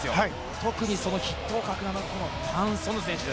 特に筆頭格がファン・ソヌ選手。